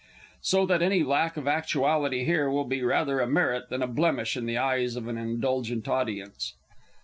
So that any lack of actuality here will be rather a merit than a blemish in the eyes of an indulgent audience.